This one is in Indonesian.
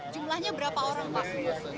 jumlahnya berapa orang pak